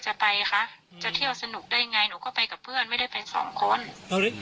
หนูก็ไปกับเพื่อนไม่ได้ไปสองคน